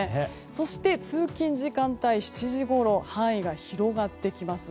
そして、通勤時間帯の７時ごろ範囲が広がってきます。